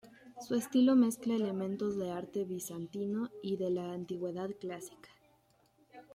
Su estilo mezcla elementos de arte bizantino y de la Antigüedad clásica.